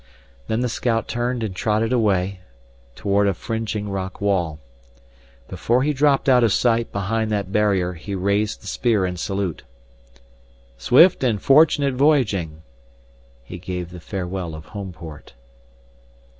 Then the scout turned and trotted away, toward a fringing rock wall. Before he dropped out of sight behind that barrier he raised the spear in salute. "Swift and fortunate voyaging!" He gave the farewell of Homeport.